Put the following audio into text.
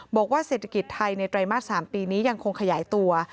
บอกว่าเศรษฐกิจไทยในไตรมาส๓ปีนี้ยังคงขยายตัว